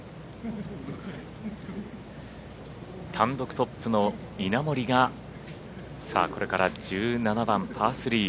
単独トップの稲森がこれから１７番パー３。